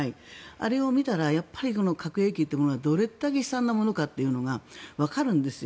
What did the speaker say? あれを見たら核兵器がどれだけ悲惨なものかというのがわかるんですよ。